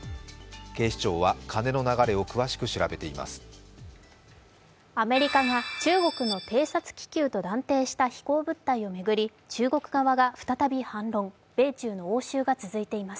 警視庁は、金の流れを詳しく調べています。